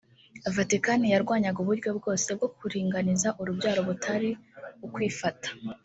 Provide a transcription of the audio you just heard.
Vatikani yarwanyaga uburyo bwose bwo kuringaniza urubyaro butari ukwifata